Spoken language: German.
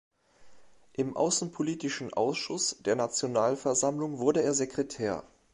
Im außenpolitischen Ausschuss der Nationalversammlung wurde er Sekretär.